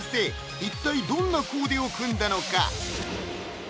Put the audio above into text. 一体どんなコーデを組んだのか？